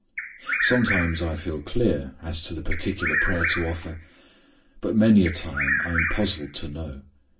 Sometimes I feel clear as to the particular prayer to offer, but many a time I am puzzled to know.